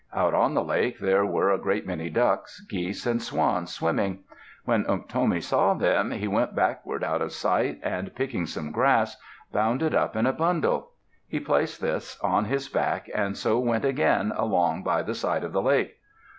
Out on the lake there were a great many ducks, geese, and swans swimming. When Unktomi saw them he went backward out of sight, and picking some grass, bound it up in a bundle. He placed this on his back and so went again along by the side of the lake.